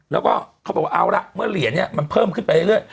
แล้วก็เขาบอกว่าเอาละเมื่อเหรียญเนี่ยมันเพิ่มขึ้นไปเรื่อย